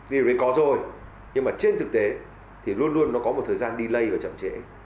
điều đấy có rồi nhưng mà trên thực tế thì luôn luôn nó có một thời gian delay và chậm trễ